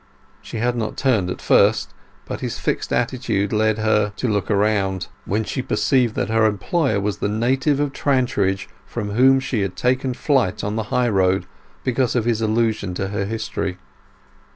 She had not turned at first, but his fixed attitude led her to look round, when she perceived that her employer was the native of Trantridge from whom she had taken flight on the high road because of his allusion to her history.